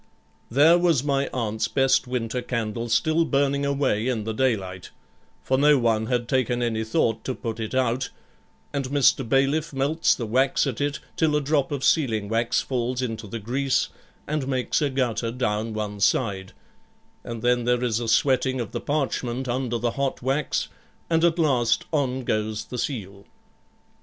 There was my aunt's best winter candle still burning away in the daylight, for no one had taken any thought to put it out; and Mr. Bailiff melts the wax at it, till a drop of sealing wax falls into the grease and makes a gutter down one side, and then there is a sweating of the parchment under the hot wax, and at last on goes the seal.